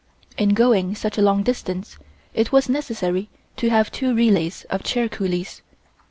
In going such a long distance it was necessary to have two relays of chair coolies.